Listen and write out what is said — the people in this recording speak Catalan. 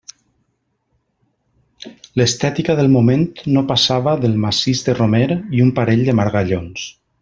L'estètica del moment no passava del massís de romer i un parell de margallons.